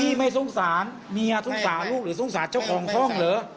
พี่ไม่ทรงสารเมียทรงสารลูกหรือทรงสารเจ้าของท่องเหรอ